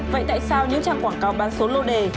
vậy tại sao những trang quảng cáo bán số lô đề